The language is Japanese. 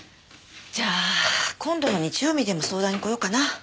じゃあ今度の日曜にでも相談に来ようかな。